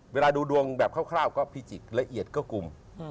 เวลาดูดวงแบบคร่าวก็พิจิกละเอียดก็กลุ่ม